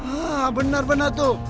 hah benar benar tuh